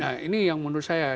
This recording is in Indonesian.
nah ini yang menurut saya